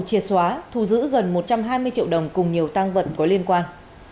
triệt xóa thu giữ gần một trăm hai mươi triệu đồng cùng nhiều tăng vật có liên quan